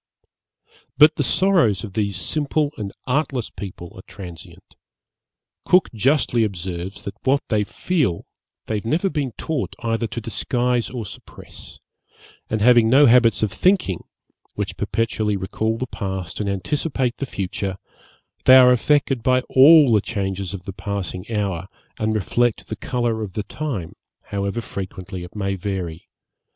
But the sorrows of these simple and artless people are transient. Cook justly observes, that what they feel they have never been taught either to disguise or suppress; and having no habits of thinking, which perpetually recall the past and anticipate the future, they are affected by all the changes of the passing hour, and reflect the colour of the time, however frequently it may vary.